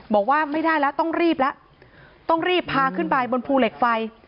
บอกว่าไม่ได้แล้วต้องรีบแล้วต้องรีบพาขึ้นไปบนภูเหล็กไฟ